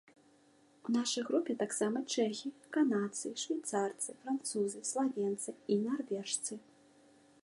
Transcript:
У нашай групе таксама чэхі, канадцы, швейцарцы, французы, славенцы і нарвежцы.